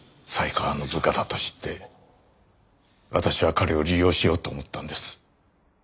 犀川の部下だと知って私は彼を利用しようと思ったんです。